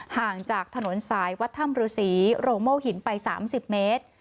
ห่างจากถนนสายวัดถ้ำฤษีโรงโม่หินไป๓๐เมตร